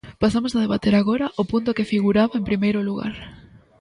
Pasamos a debater agora o punto que figuraba en primeiro lugar.